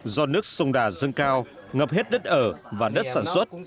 do nước sông đà dâng cao ngập hết đất ở và đất sản xuất